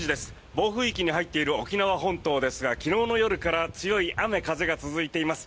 暴風域に入っている沖縄本島ですが昨日の夜から強い雨風が続いています。